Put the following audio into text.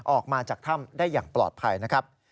ออกมาจากถ้ำได้อย่างปลอดภัยนะครับ